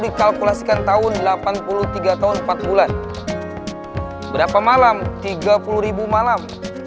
dikalkulasikan tahun delapan puluh tiga tahun empat bulan berapa malam tiga puluh malam